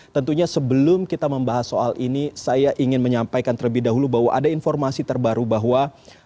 tentunya sebelum kita membahas soal ini saya ingin menyampaikan terlebih dahulu bahwa ada informasi terbaru bahwa